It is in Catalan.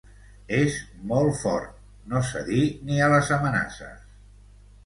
És molt fort: no cedí ni a les amenaces.